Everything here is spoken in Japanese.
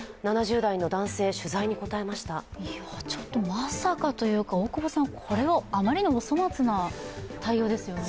まさかというか、これはあまりにお粗末な対応ですよね。